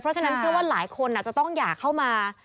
เพราะฉะนั้นเชื่อว่าหลายคนอาจจะต้องอยากเข้ามา